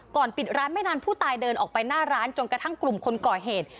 ปิดร้านไม่นานผู้ตายเดินออกไปหน้าร้านจนกระทั่งกลุ่มคนก่อเหตุ